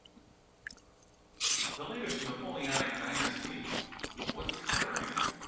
V The latest Napoleonic dynasty was tottering.